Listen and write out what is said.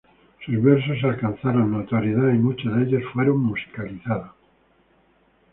Sus versos alcanzaron notoriedad y muchos de ellos fueron musicalizados.